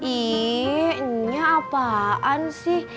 ih nya apaan sih